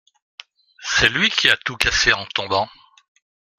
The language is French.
C’est lui qui a tout cassé en tombant.